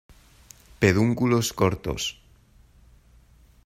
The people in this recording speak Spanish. Pedúnculos cortos.